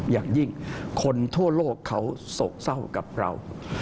อย่างยิ่งคนทั่วโลกเขาโศกเศร้ากับเรา